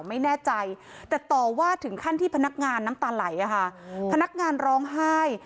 ไม่แน่ใจแต่ต่อว่าถึงขั้นที่พนักงานน้ำตาไหลอะค่ะพนักงานร้องไห้